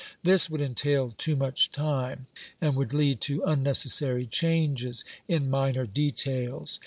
This would entail too much time, and would lead to unnecessary changes in minor details.